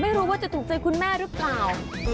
ไม่รู้ว่าจะถูกใจคุณแม่หรือเปล่า